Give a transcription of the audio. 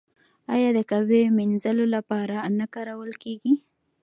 آیا د کعبې مینځلو لپاره نه کارول کیږي؟